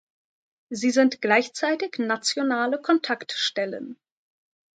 Sie sind gleichzeitig nationale Kontaktstellen.